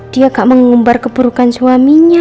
dia gak mau ngumbar keburukan suaminya